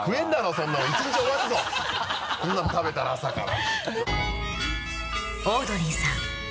そんなの食べたら朝から。